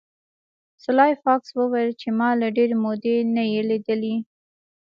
سلای فاکس وویل چې ما له ډیرې مودې نه یې لیدلی